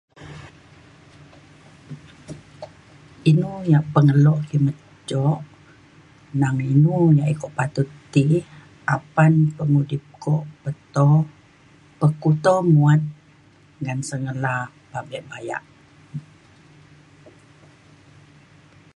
inu ia' pengelo kimet cuk nang inu ia' iko patut ti apan pengudip ko peto pekuto nguat ngan sengela pabe bayak